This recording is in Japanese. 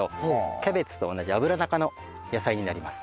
キャベツと同じアブラナ科の野菜になります。